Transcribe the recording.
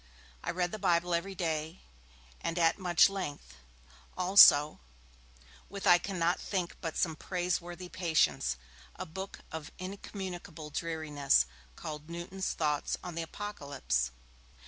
I read the Bible every day, and at much length; also, with I cannot but think some praiseworthy patience, a book of incommunicable dreariness, called Newton's 'Thoughts on the Apocalypse'.